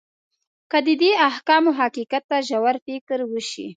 که د دې احکامو حقیقت ته ژور فکر وشي.